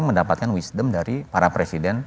mendapatkan wisdom dari para presiden